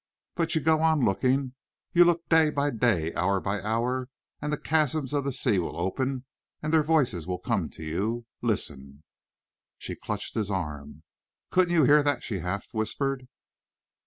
But you go on looking. You look day by day and hour by hour, and the chasms of the sea will open, and their voices will come to you. Listen!" She clutched his arm. "Couldn't you hear that?" she half whispered.